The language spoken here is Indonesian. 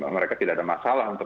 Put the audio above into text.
mereka tidak ada masalah untuk